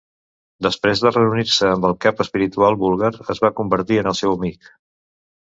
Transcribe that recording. Després de reunir-se amb el cap espiritual búlgar, es va convertir en el seu amic.